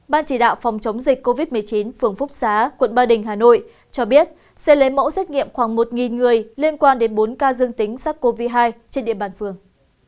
ban chỉ đạo phòng chống dịch covid một mươi chín phường phúc xá quận ba đình hà nội cho biết sẽ lấy mẫu xét nghiệm khoảng một người liên quan đến bốn ca dương tính sars cov hai trên địa bàn phường